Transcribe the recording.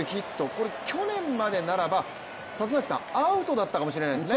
これ去年までならばアウトだったかもしれないですね。